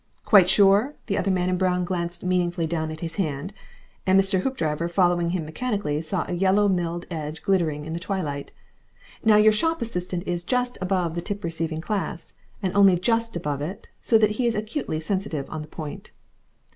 "Quite sure?" The other man in brown glanced meaningly down at his hand, and Mr. Hoopdriver, following him mechanically, saw a yellow milled edge glittering in the twilight. Now your shop assistant is just above the tip receiving class, and only just above it so that he is acutely sensitive on the point.